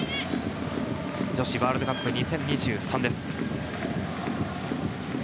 女子ワールドカップ２０２３です。